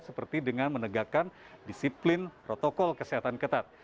seperti dengan menegakkan disiplin protokol kesehatan ketat